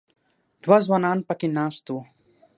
دوه ځوانان په کې ناست وو.